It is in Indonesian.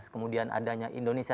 kemudian adanya indonesia